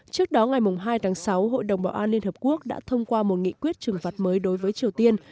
trước đó ngày hai tháng sáu hội đồng bảo an liên hợp quốc đã thông qua một nghị quyết trừng phạt mới đối với triều tiên